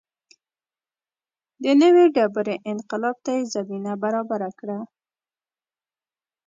د نوې ډبرې انقلاب ته یې زمینه برابره کړه.